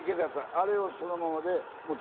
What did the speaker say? あれをそのままで。